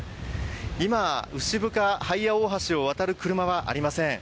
今、牛深ハイヤ大橋を渡る車はありません。